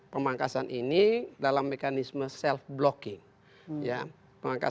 pemangkasan ini dalam mekanisme self blocking